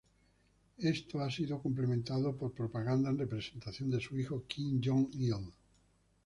Esto ha sido complementado por propaganda en representación de su hijo, Kim Jong-il.